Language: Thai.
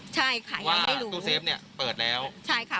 ใช่ค่ะยังไม่รู้ตู้เซฟเนี่ยเปิดแล้วใช่ค่ะ